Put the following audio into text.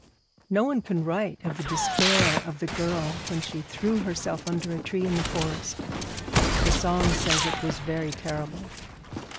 No one can write of the despair of the girl when she threw herself under a tree in the forest. The song says it was very terrible.